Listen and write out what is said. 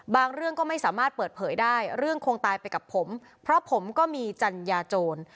เรื่องก็ไม่สามารถเปิดเผยได้เรื่องคงตายไปกับผมเพราะผมก็มีจัญญาโจร